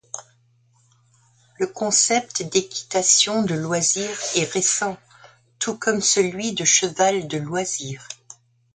Le concept d'équitation de loisir est récent, tout comme celui de cheval de loisir.